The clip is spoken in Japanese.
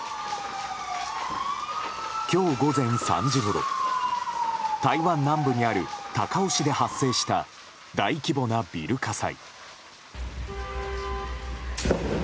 今日午前３時ごろ台湾南部にある高雄市で発生した大規模なビル火災。